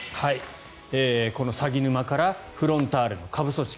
このさぎぬまからフロンターレの下部組織。